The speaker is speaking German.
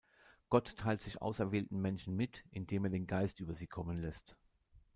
Gott teilt sich auserwählten Menschen mit, indem er den Geist über sie kommen lässt.